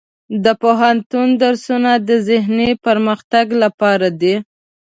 د پوهنتون درسونه د ذهني پرمختګ لپاره دي.